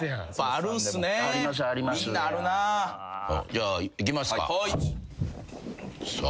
じゃあいきますか。